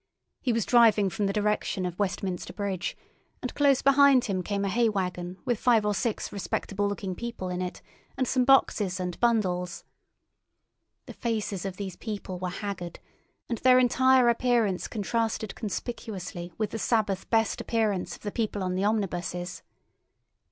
He was driving from the direction of Westminster Bridge; and close behind him came a hay waggon with five or six respectable looking people in it, and some boxes and bundles. The faces of these people were haggard, and their entire appearance contrasted conspicuously with the Sabbath best appearance of the people on the omnibuses.